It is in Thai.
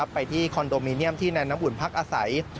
ไปที่คอนโดมิเนียมที่นายน้ำอุ่นพักอาศัย